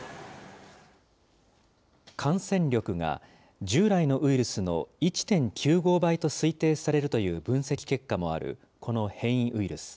感染力が従来のウイルスの１．９５倍と推定されるという分析結果もある、この変異ウイルス。